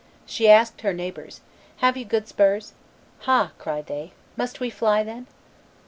She asked her neighbors, "Have you good spurs?" "Ha!" cried they, "must we fly, then?"